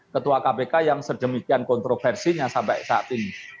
ketua kpk yang sedemikian kontroversinya sampai saat ini